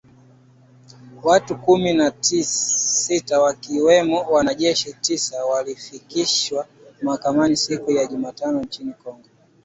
Watu kumi na sita wakiwemo wanajeshi tisa walifikishwa mahakamani siku ya Jumatatu nchini Kongo